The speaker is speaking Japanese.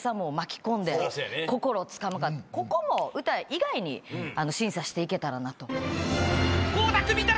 ここも歌以外に審査していけたらなと。